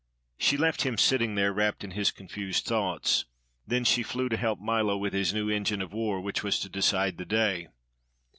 She left him sitting there, wrapped in his confused thoughts. Then she flew to help Milo with his new engine of war which was to decide the day.